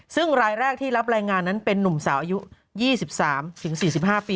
ซึ่งรายแรกที่รับรายงานนั้นเป็นนุ่มสาวอายุ๒๓๔๕ปี